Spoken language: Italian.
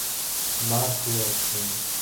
Mark Watson